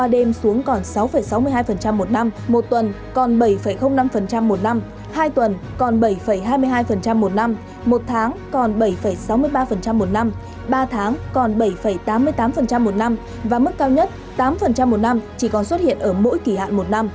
đến ngày một mươi năm tháng một mươi năm hai nghìn hai mươi hai nếu các nhà thầu không thực hiện đảm bảo như cam kết các mốc tiến độ hoàn thành